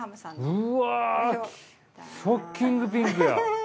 うわっショッキングピンクや。